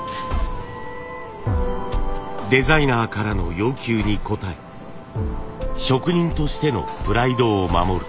デザイナーからの要求に応え職人としてのプライドを守る。